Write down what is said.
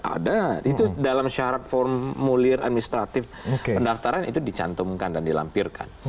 ada itu dalam syarat formulir administratif pendaftaran itu dicantumkan dan dilampirkan